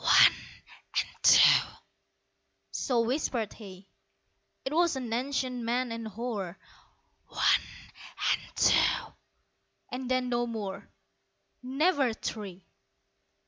"One and two," so whispered he. ('Twas an ancient man and hoar) "One and two," and then no more Never, "Three".